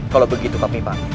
kalau begitu pak pimpang